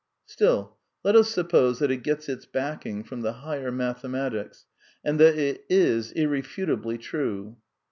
Still, let us suppose that it gets its backing from the higher mathematics and that it is irrefutably true.